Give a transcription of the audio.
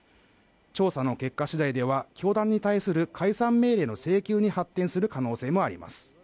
調査の結果次第では教団に対する解散命令の請求に発展する可能性もあります